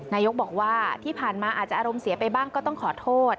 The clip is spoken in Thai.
นายกบอกว่าที่ผ่านมาอาจจะอารมณ์เสียไปบ้างก็ต้องขอโทษ